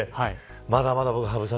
まだまだ羽生さん